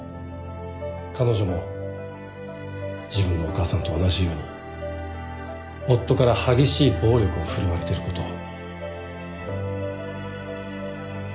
彼女も自分のお母さんと同じように夫から激しい暴力を振るわれてることを。